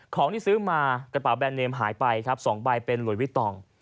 ของที่ซื้อมากระเป๋าแบรนเนมหายไปครับ๒ใบเป็นหลุยวิตอง